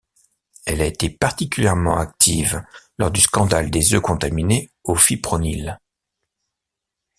Elle a été particulièrement active lors du scandale des œufs contaminés au fipronil.